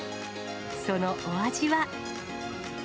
そのお味は。